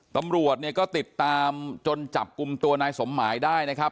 ตำรวจเนี่ยก็ติดตามจนจับกลุ่มตัวนายสมหมายได้นะครับ